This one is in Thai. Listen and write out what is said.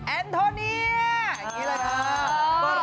แอนโทเนียงี้แหละนะ